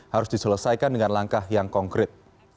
harus diselesaikan dengan langkah yang konkret